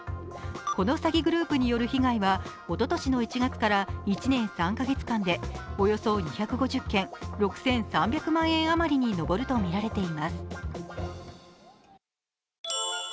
この詐欺グループによる被害はおととしの１月から１年３カ月間でおよそ２５０件、６３００万円あまりに上るとみられています。